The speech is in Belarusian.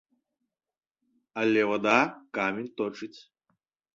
Але вада камень точыць.